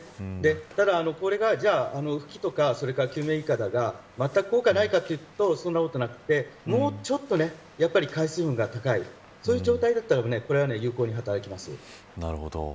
ただ、これが浮器とか救命いかだがまったく効果がないというとそうではなくてもうちょっと海水温が高い状態だったらこれは有効に働きます。